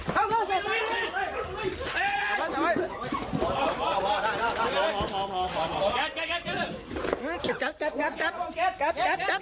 แกรมเวิร์น